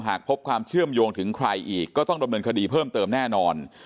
หากพบความเชื่อมโยงถึงใครอีกก็ต้องดำเนินคดีเพิ่มเติมแน่นอน